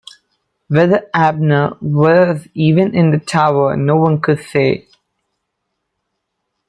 Whether Abner was even in the tower, no one could say.